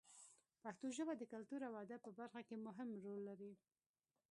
پښتو ژبه د کلتور او ادب په برخه کې مهم رول لري.